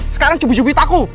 sekarang cubit cubit aku